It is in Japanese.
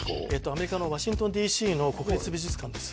アメリカのワシントンＤ．Ｃ．の国立美術館です